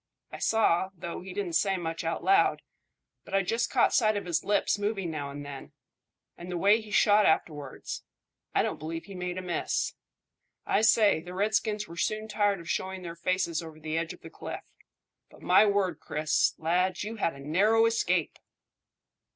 I saw, though he didn't say much out loud, but I just caught sight of his lips moving now and then; and the way he shot afterwards I don't believe he made a miss. I say, the redskins were soon tired of showing their faces over the edge of the cliff. But, my word, Chris, lad, you had a narrow escape!"